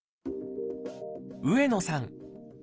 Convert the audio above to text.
上野さん